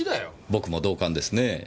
僕も同感ですねぇ。